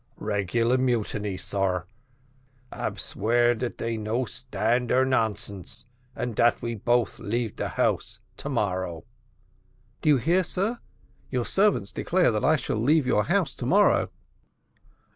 "Regular mutiny, sar ab swear dat dey no stand our nonsense, and dat we both leave the house to morrow." "Do you hear, sir, your servants declare that I shall leave your house to morrow."